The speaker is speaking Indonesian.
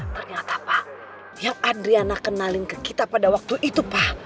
ternyata pak yang adriana kenalin ke kita pada waktu itu pak